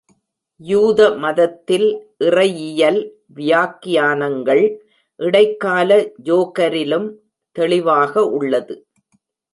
யூத மதத்தில், இறையியல் வியாக்கியானங்கள் இடைக்கால ஜோகரிலும் தெளிவாக உள்ளது.